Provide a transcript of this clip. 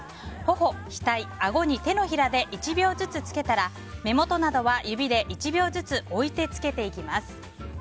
頬、額、あごに手のひらで１秒ずつつけたら目元などは指で１秒ずつ置いてつけていきます。